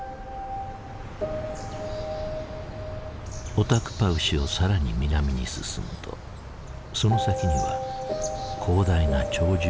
オタクパウシを更に南に進むとその先には広大な鳥獣保護区がある。